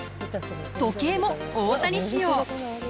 時計も大谷仕様。